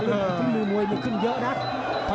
และมูยขึ้นมาเยอะนะ